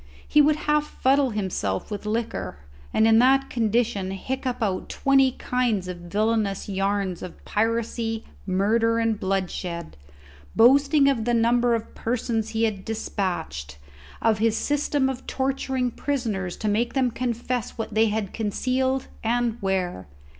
He would half fuddle himself with liquor, and in that condition hiccup out twenty kinds of villainous yarns of piracy, murder, and bloodshed, boasting of the number of persons he had despatched, of his system of torturing prisoners to make them confess what they had concealed and where.